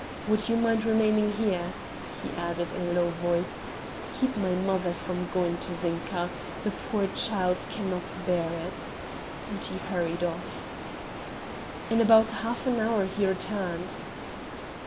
Would you mind remaining here?" he added in a low voice; "keep my mother from going to Zinka; the poor child cannot bear it;" and he hurried off. In about half an hour he returned.